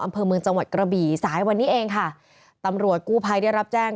อำเภอเมืองจังหวัดกระบี่สายวันนี้เองค่ะตำรวจกู้ภัยได้รับแจ้ง